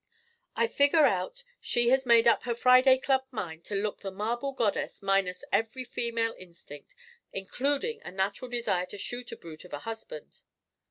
I figure out she has made up her Friday Club mind to look the marble goddess minus every female instinct, including a natural desire to shoot a brute of a husband.